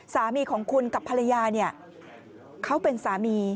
สามีของคุณกับภรรยาเนี่ยเขาเป็นสามี